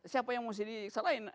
siapa yang mesti disalahin